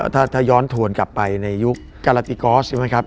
ถ้าย้อนถวนกลับไปในยุคการาติกอสใช่ไหมครับ